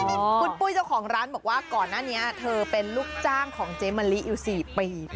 คุณปุ้ยเจ้าของร้านบอกว่าก่อนหน้านี้เธอเป็นลูกจ้างของเจ๊มะลิอยู่๔ปี